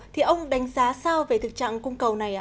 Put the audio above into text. thì ông đánh giá sao về thực trạng cung cầu này ạ